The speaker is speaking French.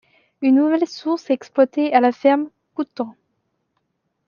Une nouvelle source est exploitée à la ferme Coutens.